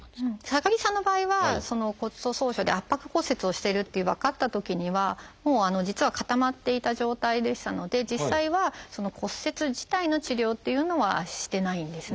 高木さんの場合は骨粗しょう症で圧迫骨折をしていると分かったときにはもう実は固まっていた状態でしたので実際は骨折自体の治療っていうのはしてないんですね。